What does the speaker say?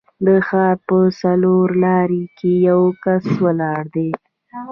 د ښار په څلورلارې کې یو کس ولاړ دی.